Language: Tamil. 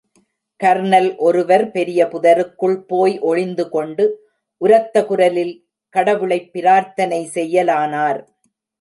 கர்னல் ஒருவர் பெரிய புதருக்குள் போய் ஒளிந்து கொண்டு உரத்த குரலில் கடவுளைப் பிரார்த்தனை செய்யலானார்.